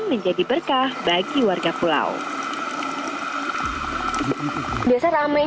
banyaknya wisata yang berada di sini banyaknya wisata yang berada di sini